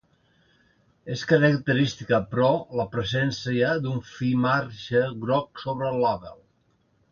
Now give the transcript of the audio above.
És característica, però, la presència d'un fi marge groc sobre el label.